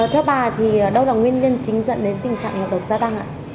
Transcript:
thưa bà thì đâu là nguyên nhân chính dẫn đến tình trạng ngộ độc gia tăng ạ